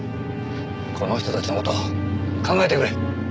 この人たちの事考えてくれ。